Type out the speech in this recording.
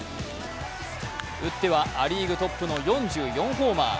打ってはア・リーグトップの４４ホーマー。